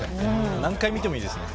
何回見てもいいですね。